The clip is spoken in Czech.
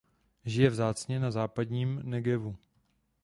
Žije vzácně na západním Negevu.